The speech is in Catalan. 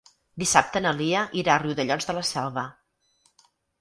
Dissabte na Lia irà a Riudellots de la Selva.